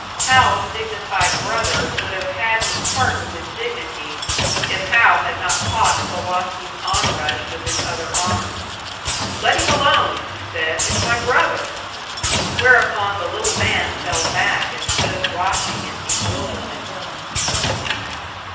Hal's dignified brother would have had to part with his dignity, if Hal had not caught Klowoski's onrush with his other arm. "Let him alone!" he said. "It's my brother!" Whereupon the little man fell back and stood watching in bewilderment.